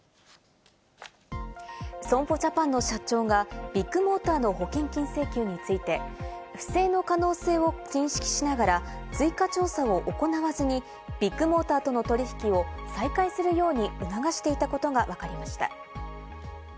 損保ジャパンの社長がビッグモーターの保険金請求について、不正の可能性を認識しながら、追加調査を行わずにビッグモーターとの取引を再開するように促していたことがわかりました。